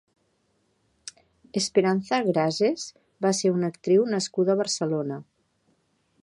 Esperanza Grases va ser una actriu nascuda a Barcelona.